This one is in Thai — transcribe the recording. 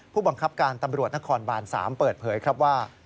ผู้บังคับการตำรวจนครบาน๓เปิดเผยครับว่า